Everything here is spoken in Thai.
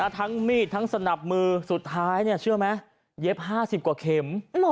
ทั้งมีดทั้งสนับมือสุดท้ายเชื่อไหมเย็บ๕๐กว่าเข็ม